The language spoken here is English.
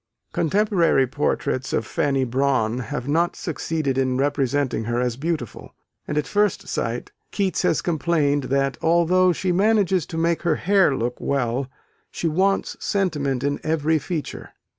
Contemporary portraits of Fanny Brawne have not succeeded in representing her as beautiful: and at first sight Keats has complained, that, although she "manages to make her hair look well," she "wants sentiment in every feature."